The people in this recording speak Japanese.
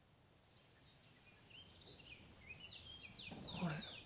あれ？